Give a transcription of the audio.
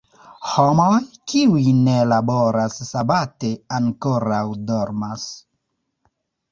Homoj, kiuj ne laboras sabate ankoraŭ dormas.